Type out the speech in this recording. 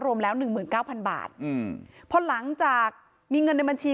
รวมแล้ว๑๙๐๐๐บาทอืมเพราะหลังจากมีเงินในบัญชี